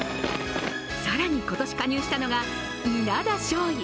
更に、今年加入したのが稲田将威。